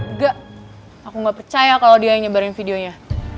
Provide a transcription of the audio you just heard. enggak aku gak percaya kalo dia yang nyebarin videonya